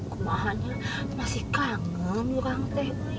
kuahannya masih kangen orang teh